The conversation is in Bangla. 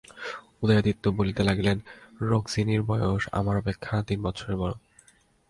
উদয়াদিত্য বলিতে লাগিলেন, রুক্মিণীর বয়স আমার অপেক্ষা তিন বৎসরের বড়ো।